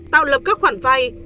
tạo lập các khoản vay